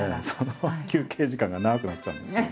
休憩時間が長くなっちゃうんですよ。